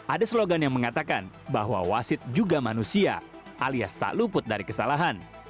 ada slogan yang mengatakan bahwa wasit juga manusia alias tak luput dari kesalahan